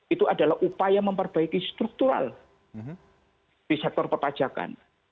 itu adalah upaya memperbaiki struktural di sektor perpajakan